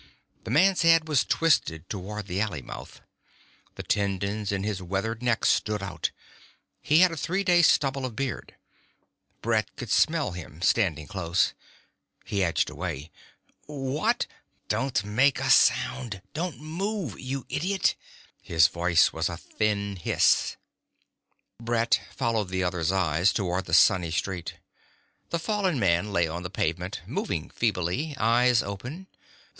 The man's head was twisted toward the alley mouth. The tendons in his weathered neck stood out. He had a three day stubble of beard. Brett could smell him, standing this close. He edged away. "What " "Don't make a sound! Don't move, you idiot!" His voice was a thin hiss. Brett followed the other's eyes toward the sunny street. The fallen man lay on the pavement, moving feebly, eyes open.